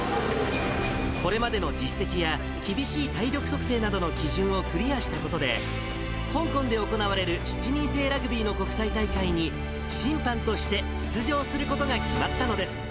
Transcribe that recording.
これまでの実績や、厳しい体力測定などの基準をクリアしたことで、香港で行われる７人制ラグビーの国際大会に、審判として出場することが決まったのです。